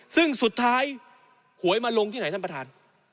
ซึ่งสุดท้ายหวยมาลงที่ไหนท่านประธาน